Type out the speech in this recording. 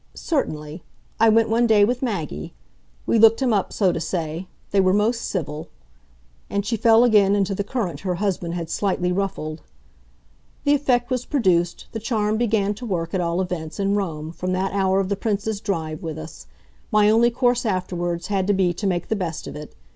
"Certainly I went one day with Maggie. We looked him up, so to say. They were most civil." And she fell again into the current her husband had slightly ruffled. "The effect was produced, the charm began to work, at all events, in Rome, from that hour of the Prince's drive with us. My only course, afterwards, had to be to make the best of it.